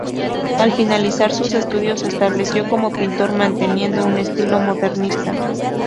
Al finalizar sus estudios se estableció como pintor manteniendo un estilo modernista.